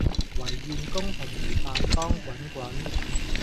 唯願公平如大江滾滾